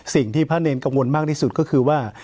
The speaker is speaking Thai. สิ่งที่พระเนรกังวลมากที่สุดก็คือว่า